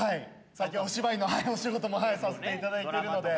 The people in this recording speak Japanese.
最近はお芝居のお仕事もさせていただいてるので。